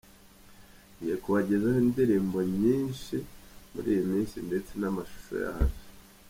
Ngiye kubagezaho indirimbo nyinshi muri iyi minsi ndetse n’amashusho yazo.